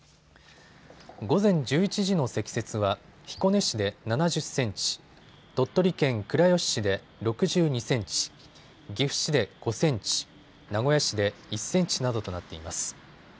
午前１１時の積雪は彦根市で７０センチ、鳥取県倉吉市で６２センチ、岐阜市で５センチ、名古屋市で１センチなどとなっています。